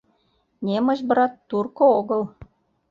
Немыч, брат, турко огыл.